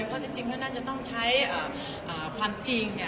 เขาจริงเขาท่านท่านจะต้องใช้ความจริง